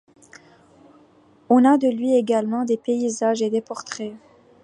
On a de lui également des paysages et des portraits.